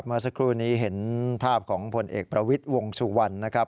เมื่อสักครู่นี้เห็นภาพของผลเอกประวิทย์วงสุวรรณนะครับ